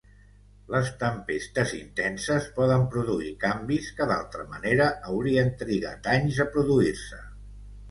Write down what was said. Les tempestes intenses poden produir canvis que d'altra manera haurien trigat anys a produir-se.